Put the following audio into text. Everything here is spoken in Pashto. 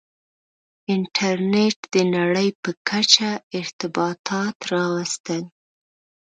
• انټرنېټ د نړۍ په کچه ارتباطات راوستل.